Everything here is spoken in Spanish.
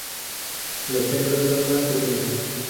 Las hembras son más pequeñas.